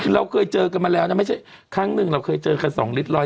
เราเคยเจอกันมาแล้วนะไม่ใช่ครั้งหนึ่งเราเคยเจอกัน๒ลิตร๑๐